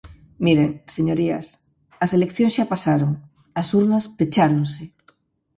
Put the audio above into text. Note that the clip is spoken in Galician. Miren, señorías, as eleccións xa pasaron, as urnas pecháronse.